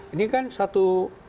ini kan satu